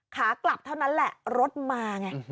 ขากลับเท่านั้นแหละรถมาไง